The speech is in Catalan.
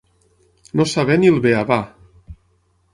No saber ni el beabà.